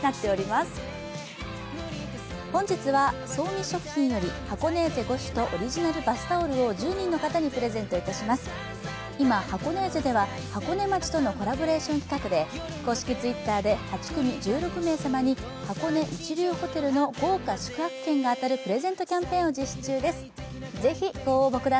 今、ハコネーゼでは、箱根町とのコラボレーション企画で公式Ｔｗｉｔｔｅｒで８組１６名様に箱根一流ホテルの豪華宿泊券が当たるプレゼントキャンペーンを実施中です。